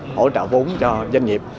hỗ trợ vốn cho doanh nghiệp